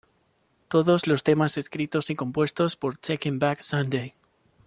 Todos los temas escritos y compuestos por Taking Back Sunday.